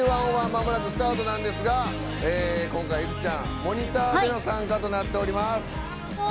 まもなくスタートなんですが今回、いくちゃん、モニターでの参加となっております。